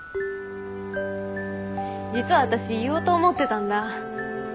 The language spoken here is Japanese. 実は私言おうと思ってたんだ。